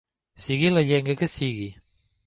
Sigui la llengua que sigui.